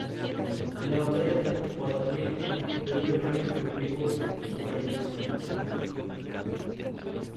En la batalla del Guadalete, perdió el rey Rodrigo su reino.